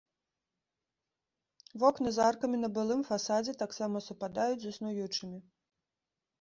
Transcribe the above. Вокны з аркамі на былым фасадзе таксама супадаюць з існуючымі.